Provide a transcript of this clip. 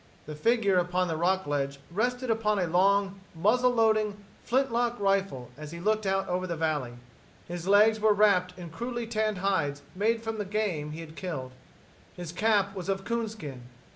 The figure upon the rock ledge rested upon a long, muzzle loading, flint lock rifle as he looked out over the valley. His legs were wrapped in crudely tanned hides made from game he had killed. His cap was of coon skin.